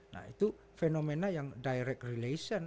nah itu fenomena yang direct relation